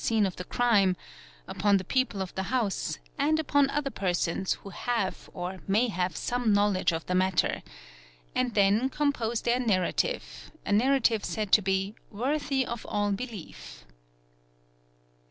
| scene of the crime, upon the people of the house, and upon other persons who have or may have some knowledge of the matter,—and then : compose their narrative, a narrative said to be "worthy of all belief."